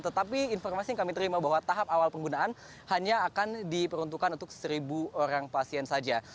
tetapi informasi yang kami terima bahwa tahap awal penggunaan hanya akan diperuntukkan untuk seribu orang pasien saja